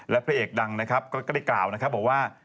และพระเอกดังนะครับก็ได้กล่าวนะครับบอกว่า